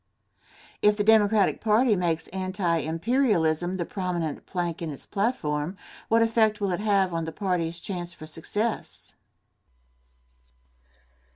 If the Democratic party makes anti imperialism the prominent plank in its platform, what effect will it have on the party's chance for success?